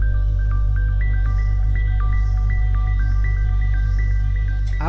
ketiga kemasukan dari paket wisata